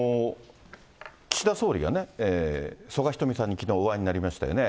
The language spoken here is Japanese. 岸田総理が曽我ひとみさんにきのうお会いになりましたよね。